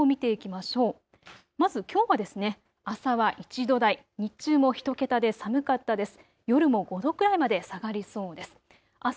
まずきょうは朝は１度台、日中も１桁で寒かったです。